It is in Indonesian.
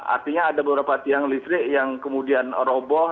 artinya ada beberapa tiang listrik yang kemudian roboh